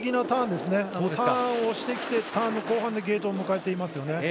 ターンをしてきてターンの後半でゲートを迎えていますよね。